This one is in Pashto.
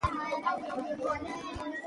دا ښارونه له افغان کلتور سره تړاو لري.